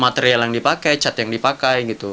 material yang dipakai cat yang dipakai gitu